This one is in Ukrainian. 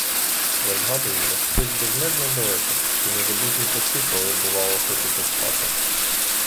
Я згадую, як щось безмежно далеке, ті незабутні часи, коли, бувало, хочеться спати.